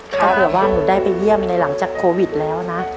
ถ้าเผื่อว่าหนูได้ไปเยี่ยมในหลังจากโควิดแล้วนะ